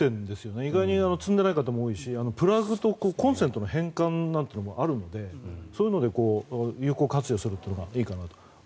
意外に積んでいない方も多しプラグとコンセントの変換というのもあるのでそういうので有効活用するといいかなと。